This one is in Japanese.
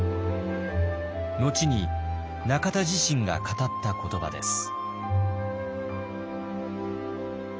後に中田自身が語った言葉です。